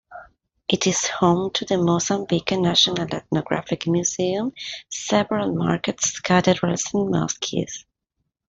It is home to the Mozambique National Ethnographic Museum, several markets, cathedrals and mosques.